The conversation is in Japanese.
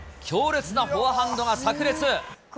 強烈なフォアハンドがさく裂。